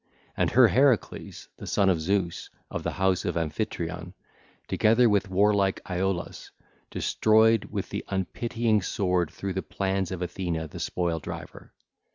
And her Heracles, the son of Zeus, of the house of Amphitryon, together with warlike Iolaus, destroyed with the unpitying sword through the plans of Athene the spoil driver.